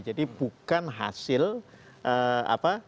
jadi bukan hasil apa